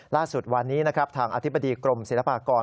ล่าสุดวันนี้นะครับทางอธิบดีกรมศิลปากร